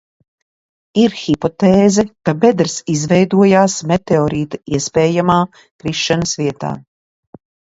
Ir hipotēze, ka bedres izveidojās meteorīta iespējamā krišanas vietā.